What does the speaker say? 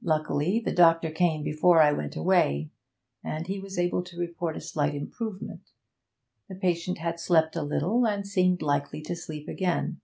Luckily, the doctor came before I went away, and he was able to report a slight improvement. The patient had slept a little and seemed likely to sleep again.